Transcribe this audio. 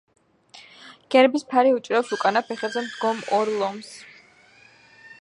გერბის ფარი უჭირავს უკანა ფეხებზე მდგომ ორ ლომს.